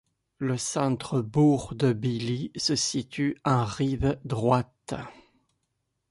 Le centre-bourg de Billy se situe en rive droite.